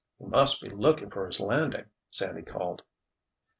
"He must be looking for his landing!" Sandy called.